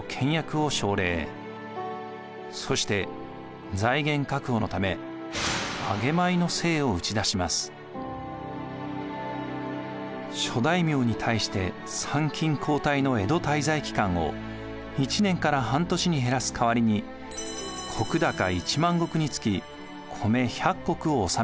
そして財源確保のため諸大名に対して参勤交代の江戸滞在期間を１年から半年に減らす代わりに石高１万石につき米１００石を納めさせました。